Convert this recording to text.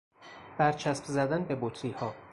برچسب زدن به بطریها